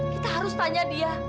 kita harus tanya dia